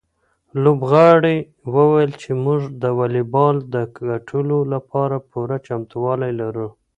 لوبغاړي وویل چې موږ د واليبال د ګټلو لپاره پوره چمتووالی لرو.